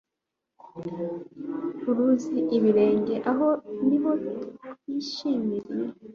uruzi ibirenge Aho ni ho twayishimiriye